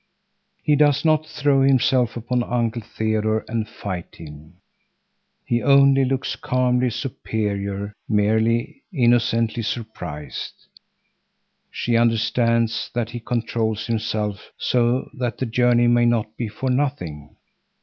He does not throw himself upon Uncle Theodore and fight him. He only looks calmly superior, merely innocently surprised. She understands that he controls himself so that the journey may not be for nothing.